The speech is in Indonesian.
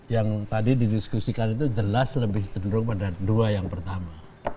yang tadi didiskusikan itu jelas lebih cenderung pada dua yang pertama